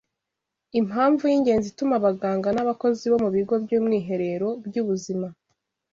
Impamvu y’ingenzi ituma abaganga n’abakozi bo mu bigo by’umwiherero by’ubuzima